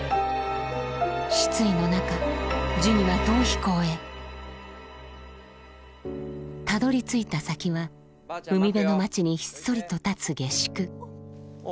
失意の中ジュニは逃避行へたどりついた先は海辺の街にひっそりと立つ下宿おう。